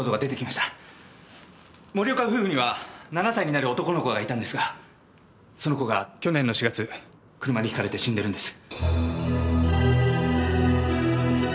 森岡夫婦には７歳になる男の子がいたんですがその子が去年の４月車にひかれて死んでるんです。